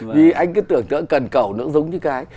vì anh cứ tưởng tượng cần cầu nước giống như cái